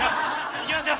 行きましょう！